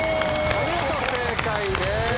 お見事正解です！